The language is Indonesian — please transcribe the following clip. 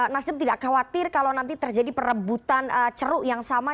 nasdem tidak khawatir kalau nanti terjadi perebutan ceruk yang sama